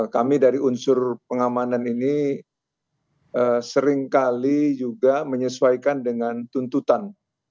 kami dari unsur pengamanan ini seringkali juga menyesuaikan dengan tuntutan